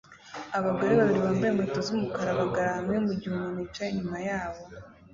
Abagore babiri bambaye inkweto z'umukara bahagarara hamwe mugihe umuntu yicaye inyuma yabo